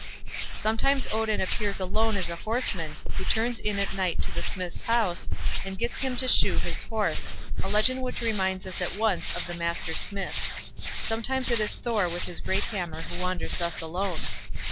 Sometimes Odin appears alone as a horseman, who turns in at night to the smith's house, and gets him to shoe his horse, a legend which reminds us at once of the Master smith. Sometimes it is Thor with his great hammer who wanders thus alone.